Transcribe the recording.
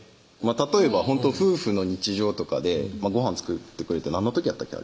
例えば夫婦の日常とかでごはん作ってくれて何の時やったっけ？